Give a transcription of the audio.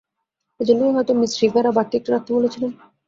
এজন্যই হয়তো Miss Rivera বাড়তি একটা রাখতে বলেছিলেন।